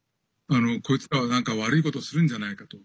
こいつらは、なんか悪いことをするんじゃないかと。